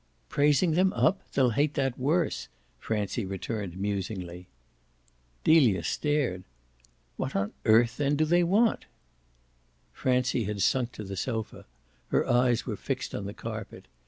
"Praising them up? They'll hate that worse," Francie returned musingly. Delia stared. "What on earth then do they want?" Francie had sunk to the sofa; her eyes were fixed on the carpet.